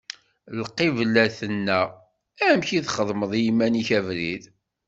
Lqibla tenna: Amek i d-txedmeḍ i yiman-ik abrid!